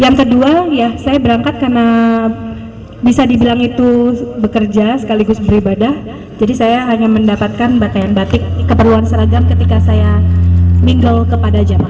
yang kedua ya saya berangkat karena bisa dibilang itu bekerja sekaligus beribadah jadi saya hanya mendapatkan bataian batik keperluan seragam ketika saya mingle kepada jemaah